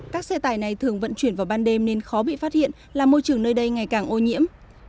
các xe tải này thường vận chuyển vào ban đêm nên khó bị phát hiện làm môi trường nơi đây ngày càng ô nhiễm